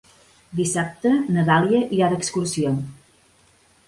Dissabte na Dàlia irà d'excursió.